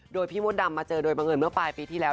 โดยพี่มดดำมาเจอโดยบังเอิญเมื่อปลายปีที่แล้ว